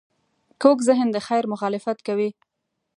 کوږ ذهن د خیر مخالفت کوي